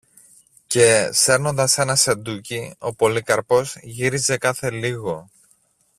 Και, σέρνοντας ένα σεντούκι, ο Πολύκαρπος γύριζε κάθε λίγο